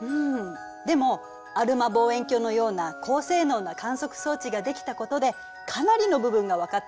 でもアルマ望遠鏡のような高性能な観測装置ができたことでかなりの部分が分かってきたのよ。